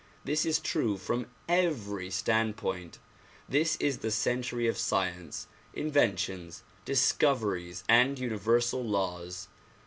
This is true from every standpoint. This is the century of science, inventions, discoveries and universal laws.